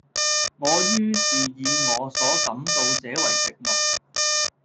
我于是以我所感到者爲寂寞。